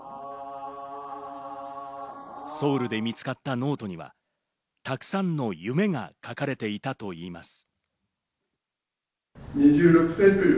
ソウルで見つかったノートには、たくさんの夢が書かれていたといいます。